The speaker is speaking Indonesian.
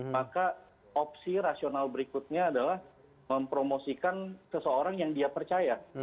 maka opsi rasional berikutnya adalah mempromosikan seseorang yang dia percaya